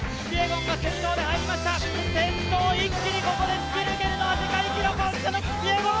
先頭、一気にここで突き抜けるのは世界記録保持者のキピエゴン！